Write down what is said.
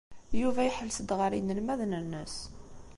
Yuba iḥelles-d ɣer yinelmaden-nnes.